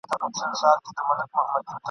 زما یقین دی خدای ته نه دی د منلو ..